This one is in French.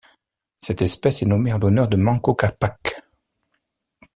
Cette espèce est nommée en l'honneur de Manco Cápac.